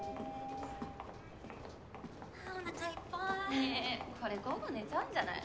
ねえこれ午後寝ちゃうんじゃない？